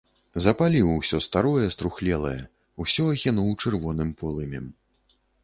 Запаліў усё старое, струхлелае, усё ахінуў чырвоным полымем.